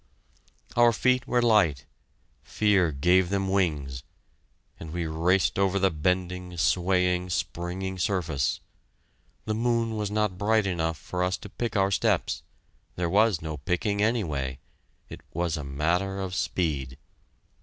Our feet were light fear gave them wings and we raced over the bending, swaying, springing surface! The moon was not bright enough for us to pick our steps there was no picking, anyway it was a matter of speed!